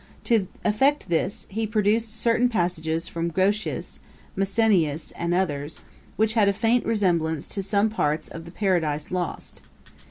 To effect this, he produced certain passages from Grotius, Masenius, and others, which had a faint resemblance to some parts of the Paradise Lost.